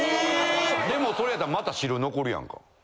でもそれやったらまた汁残るやんか。